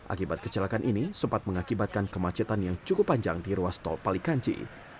akibat kecelakaan ini sempat mengakibatkan kemacetan yang cukup panjang di ruas tol palikanci